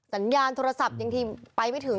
สัญญาณโทรศัพท์ยังทีไปไม่ถึง